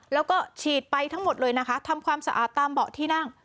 แล้วก็ฉีดไปทั้งหมดเลยนะคะทำความสะอาดตามเบาะที่นั่ง